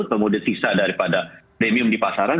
kemudian sisa daripada premium di pasaran